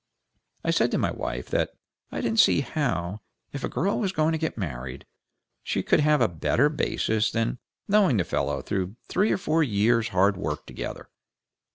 I said to my wife that I didn't see how, if a girl was going to get married, she could have a better basis than knowing the fellow through three or four years' hard work together.